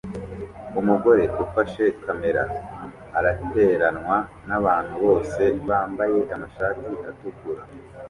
Umugore ufashe kamera arateranwa nabantu bose bambaye amashati atukura